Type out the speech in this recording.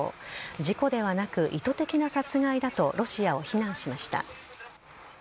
事故ではなく、意図的な殺害だとロシアを非難しました。